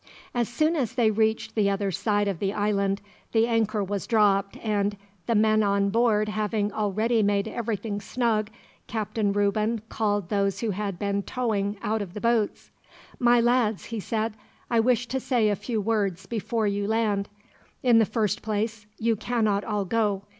As soon as they reached the other side of the island, the anchor was dropped and, the men on board having already made everything snug, Captain Reuben called those who had been towing out of the boats. "My lads," he said, "I wish to say a few words, before you land. In the first place, you cannot all go.